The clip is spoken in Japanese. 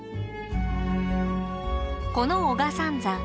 この男鹿三山。